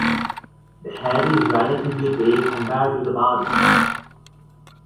The head is relatively big compared to the body.